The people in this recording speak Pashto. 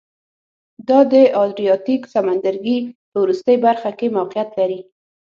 دا د ادریاتیک سمندرګي په وروستۍ برخه کې موقعیت لري